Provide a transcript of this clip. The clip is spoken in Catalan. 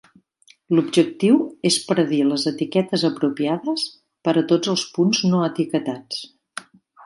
L'objectiu és predir les etiquetes apropiades per a tots els punts no etiquetats.